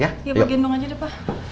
iya pak gendong aja deh pak